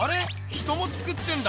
人もつくってんだ。